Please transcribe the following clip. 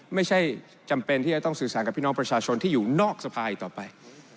ไม่ใช่จำเป็นที่จะต้องสื่อสารกับพี่น้องประชาชนที่อยู่นอกสภายต่อไป